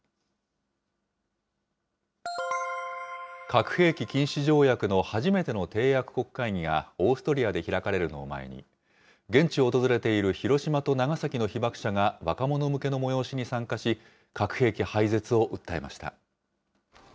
核兵器禁止条約の初めての締約国会議が、オーストリアで開かれるのを前に、現地を訪れている広島と長崎の被爆者が若者向けの催しに参加し、核兵器廃絶を訴えました。